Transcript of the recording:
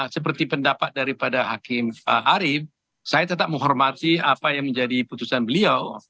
seperti pendapat daripada hakim pak harif saya tetap menghormati apa yang menjadi putusan beliau